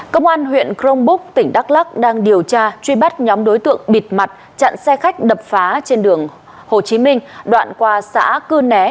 công an huyện crong búc tỉnh đắk lắc đang điều tra truy bắt nhóm đối tượng bịt mặt chặn xe khách đập phá trên đường hồ chí minh đoạn qua xã cư né